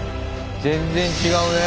全然違うね。